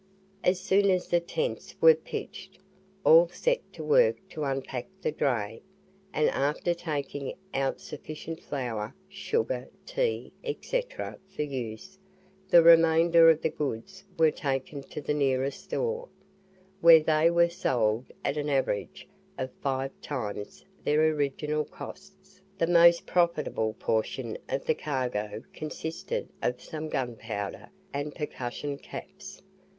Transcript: As soon as the tents were pitched, all set to work to unpack the dray: and after taking out sufficient flour, sugar, tea, &c., for use, the remainder of the goods were taken to the nearest store, where they were sold at an average of five times their original costs: the most profitable portion of the cargo consisted of some gunpowder and percusion caps.